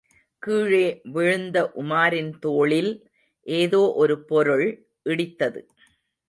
கீழே விழுந்த உமாரின் தோளில் ஏதோ ஒரு பொருள் இடித்தது.